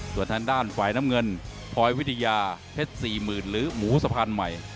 ส่วนทางด้านฝ่ายน้ำเงินพลอยวิทยาเพชร๔๐๐๐หรือหมูสะพานใหม่